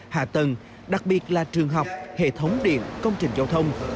hạ tầng đặc biệt là trường học hệ thống điện công trình giao thông